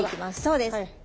そうです。